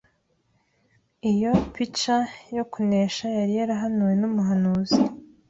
" Iyo pica yo kunesha yari yarahanuwe n'umuhanuzi